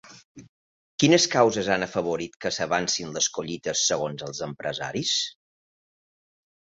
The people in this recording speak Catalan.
Quines causes han afavorit que s'avancin les collites segons els empresaris?